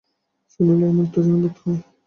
শুনিলে এমন উত্তেজনা বোধ হয়!